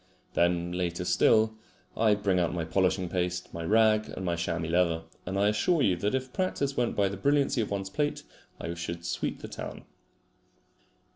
Then, later still, I bring out my polishing paste, my rag, and my chamois leather; and I assure you that if practice went by the brilliancy of one's plate, I should sweep the town.